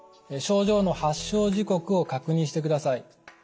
症状の発症時刻を確認してください。